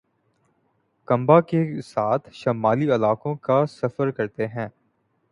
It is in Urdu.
کنبہ کے ساتھ شمالی علاقوں کا سفر کرتے ہیں